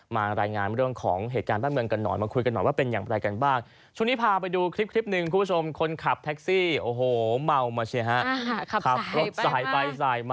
มารายงานเรื่องของเหตุการณ์ข้าร่างเมืองกันหน่อย